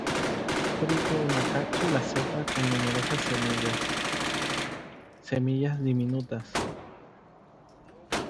Fruto una cápsula seca con numerosas semillas; semillas diminutas.